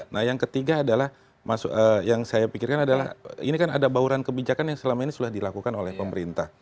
nah yang ketiga adalah yang saya pikirkan adalah ini kan ada bauran kebijakan yang selama ini sudah dilakukan oleh pemerintah